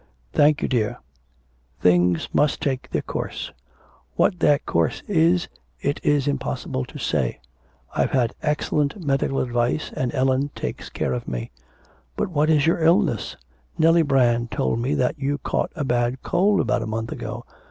'Thank you, dear. Things must take their course. What that course is it is impossible to say. I've had excellent medical advice and Ellen takes care of me.' 'But what is your illness? Nellie Brand told me that you caught a bad cold about a month ago.